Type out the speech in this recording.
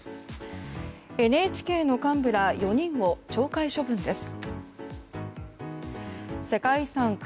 ＮＨＫの幹部ら４人を懲戒処分です。